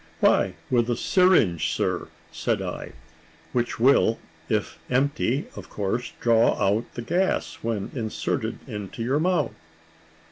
"Why, with a syringe, sir," said I; "which will, if empty, of course draw out the gas, when inserted into your mouth."